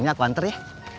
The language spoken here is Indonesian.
ini aku anter ya